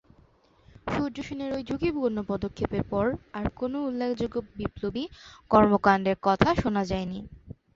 সূর্যসেনের ওই ঝুঁকিপূর্ণ পদক্ষেপের পর আর কোনো উল্লেখযোগ্য বিপ্লবী কর্মকান্ডের কথা শোনা যায় নি।